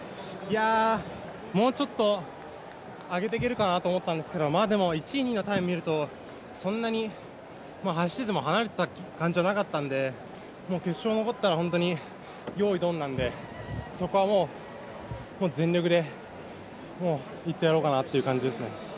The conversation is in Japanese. もうちょっと上げていけるかなと思ったんですけど１位、２位のタイム見るとそんなに走ってても離れてる感じなかったんで決勝残ったら本当にヨーイドンなんで、そこはもう全力で、もういってやろうかなという感じですね。